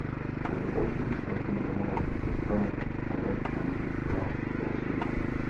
Po dokončení stavby nemohl být kostel hned použit pro bohoslužby.